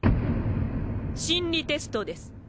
心理テストです。